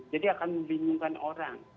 jadi akan membingungkan orang